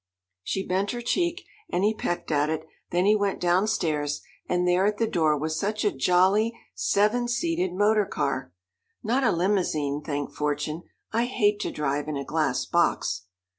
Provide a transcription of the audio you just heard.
She bent her cheek and he pecked at it, then he went downstairs, and there at the door was such a jolly, seven seated motor car. Not a limousine, thank fortune. I hate to drive in a glass box.